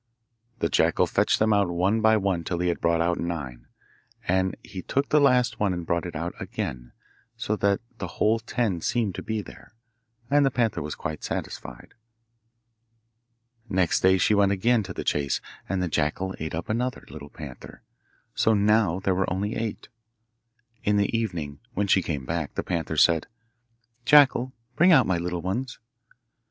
The jackal fetched them out one by one till he had brought out nine, and he took the last one and brought it out again, so the whole ten seemed to be there, and the panther was quite satisfied. Next day she went again to the chase, and the jackal ate up another little panther, so now there were only eight. In the evening, when she came back, the panther said, 'Jackal, bring out my little ones!